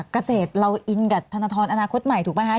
เกษตรเราอินกับธนทรอนาคตใหม่ถูกไหมคะ